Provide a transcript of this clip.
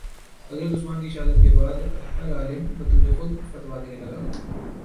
حضرت عثمان کی شہادت کے بعد ہر عالم بطورِ خود فتویٰ دینے لگا